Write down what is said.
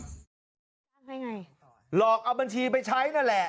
ให้ไงหลอกเอาบัญชีไปใช้นั่นแหละ